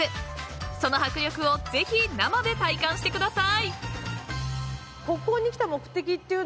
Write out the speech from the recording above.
［その迫力をぜひ生で体感してください］